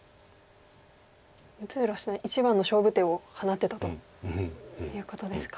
六浦七段一番の勝負手を放てたということですか。